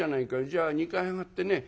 じゃあ２階へ上がってね